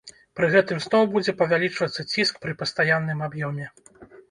Пры гэтым зноў будзе павялічвацца ціск пры пастаянным аб'ёме.